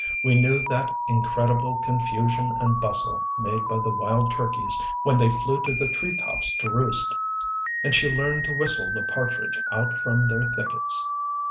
We knew that incredible confusion and bustle made by the wild turkeys when they flew to the tree tops to roost; and she learned to whistle the partridge out from their thickets.